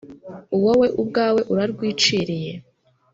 Wowe ubwawe urarwiciriye